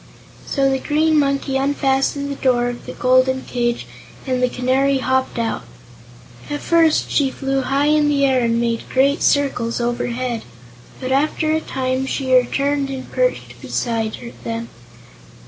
So the Green Monkey unfastened the door of the golden cage and the Canary hopped out. At first she flew high in the air and made great circles overhead, but after a time she returned and perched beside them.